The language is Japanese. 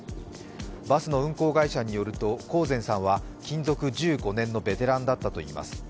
バスの運航会社によると興膳さんは勤続１５年のベテランだったといいます。